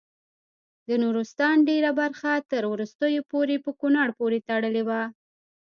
د نورستان ډیره برخه تر وروستیو پورې په کونړ پورې تړلې وه.